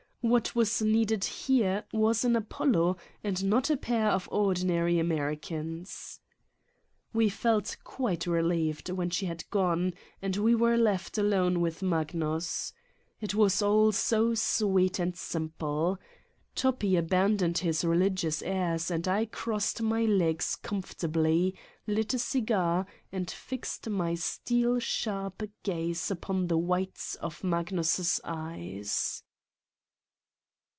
What was needed here was an Apollo and not a pair of ordinary Americans. We felt quite relieved when she had gone and we were left alone with Magnus. It was all so 39 Satan's Diary sweet and simple ! Toppi abandoned his religious airs and I crossed my legs comfortably, lit a cigar, and fixed my steel sharp gaze upon the whites of Magnus's eyes.